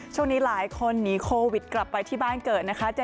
ช่วงนี้หลายคนหนีโควิดกลับไปที่บ้านเกิดนะคะ